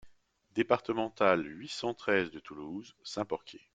Départementale huit cent treize de Toulouse, Saint-Porquier